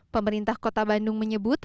pemerintah kota bandung menyebut